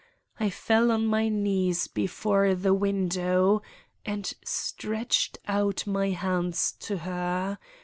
I fell on my knees before the window and stretched out my hands to her.